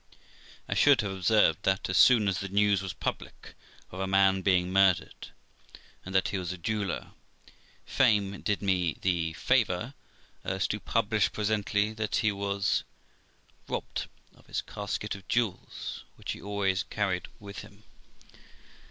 I should have observed that, as soon as the news was public of a man being murdered, and that he was a jeweller, fame did me the favour as to publish presently that he was robbed of his casket of jewels, which he always carried about him.